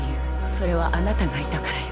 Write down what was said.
それはあなたがいたからよ。